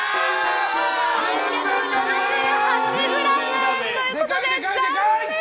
３７８ｇということで残念！